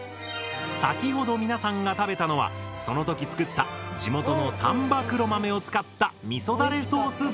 先ほど皆さんが食べたのはその時作った地元の丹波黒豆を使ったみそダレソースだったんです。